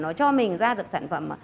nó cho mình ra được sản phẩm